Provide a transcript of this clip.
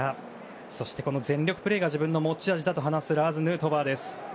全力プレーが自分の持ち味だと話すラーズ・ヌートバーです。